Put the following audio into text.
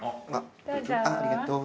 ありがとう。